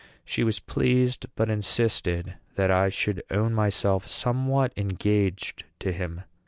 She was pleased, but insisted that I should own myself somewhat engaged to him.